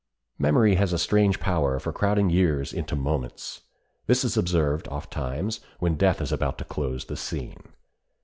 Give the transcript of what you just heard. Memory has a strange power of crowding years into moments. This is observed ofttimes when death is about to close the scene.